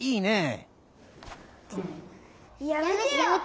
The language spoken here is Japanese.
いいね。